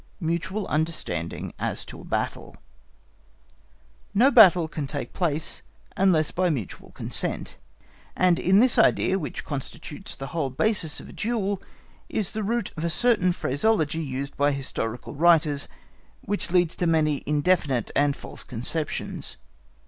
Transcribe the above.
Mutual Understanding as to a Battle No battle can take place unless by mutual consent; and in this idea, which constitutes the whole basis of a duel, is the root of a certain phraseology used by historical writers, which leads to many indefinite and false conceptions.